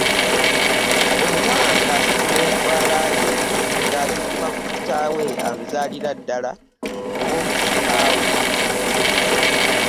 Omuwala ng’asitula ntwala ye ng’agikuba ku kitaawe amuzaalira ddala oba omusika we.